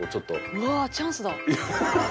うわっチャンスだ。